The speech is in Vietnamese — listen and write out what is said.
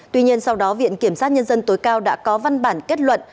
tuy nhiên sau đó viện kiểm sát nhân dân tối cao đã có văn bản kết luận